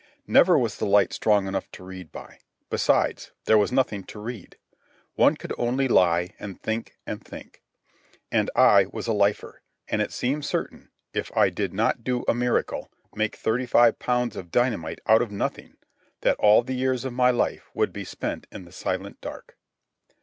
Never was the light strong enough to read by. Besides, there was nothing to read. One could only lie and think and think. And I was a lifer, and it seemed certain, if I did not do a miracle, make thirty five pounds of dynamite out of nothing, that all the years of my life would be spent in the silent dark.